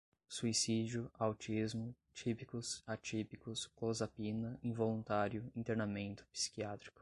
suicídio, autismo, típicos, atípicos, clozapina, involuntário, internamento, psiquiátrico